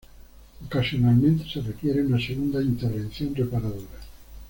Ocasionalmente se requiere una segunda intervención reparadora.